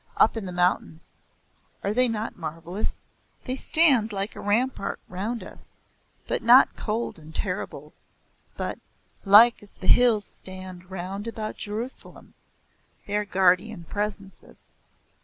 Up in the mountains. Are they not marvellous? They stand like a rampart round us, but not cold and terrible, but "Like as the hills stand round about Jerusalem" they are guardian presences.